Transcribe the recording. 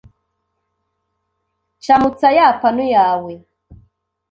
Camutsa ya panu yawe,